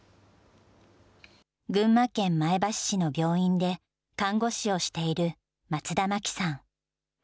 群馬県前橋市の病院で看護師をしている松田真紀さん。